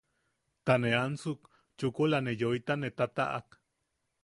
Ta ne ansuk, chukula ne yoita ne tataʼak.